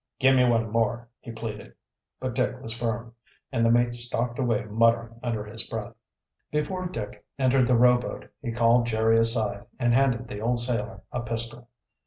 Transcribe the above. "Give me one more," he pleaded, but Dick was firm, and the mate stalked away muttering under his breath. Before Dick entered the rowboat he called Jerry aside, and handed the old sailor a pistol.